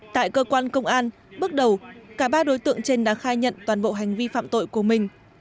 tại cơ quan công an bước đầu cả ba đối tượng trên đã khai nhận toàn bộ hành vi phạm tội của mình